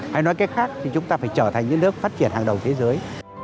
hay nói cách khác thì chúng ta phải trở thành những nước phát triển hàng đầu thế giới